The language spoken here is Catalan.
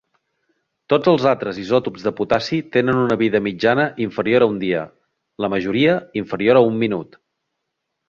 Tots els altres isòtops de potassi tenen una vida mitjana inferior a un dia, la majoria inferior a un minut.